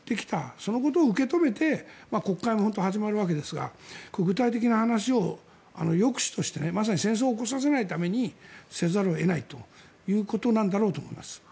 そのことを受け止めて国会がこれから始まるわけですが具体的な話を抑止としてまさに戦争を起こさせないためにせざるを得ないということなんだろうと思います。